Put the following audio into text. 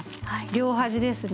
両端ですね